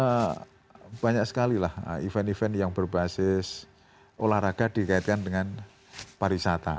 karena banyak sekali lah event event yang berbasis olahraga dikaitkan dengan pariwisata